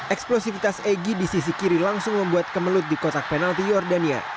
eksplosivitas egy di sisi kiri langsung membuat kemelut di kotak penalti jordania